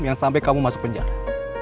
yang sampai kamu masuk penjara